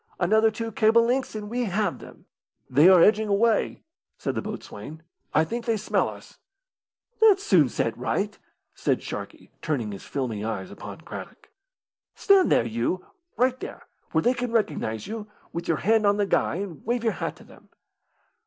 Another two cable lengths and we have them." "They are edging away," said the boatswain. "I think they smell us." "That's soon set right," said Sharkey, turning his filmy eyes upon Craddock. "Stand there, you right there, where they can recognise you, with your hand on the guy, and wave your hat to them.